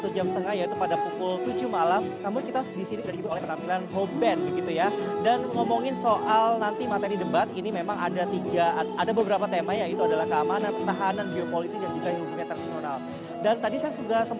jadi dominasi itu berkurang